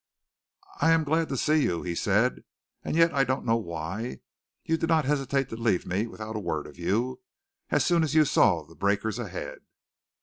"I am glad to see you," he said, "and yet I don't know why. You did not hesitate to leave me without word of you, as soon as you saw the breakers ahead."